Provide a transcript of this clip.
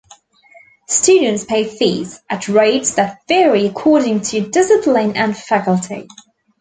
Students pay fees, at rates that vary according to discipline and Faculty.